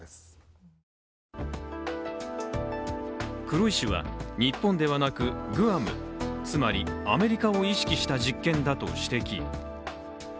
黒井氏は日本ではなくグアム、つまりアメリカを意識した実験だと指摘。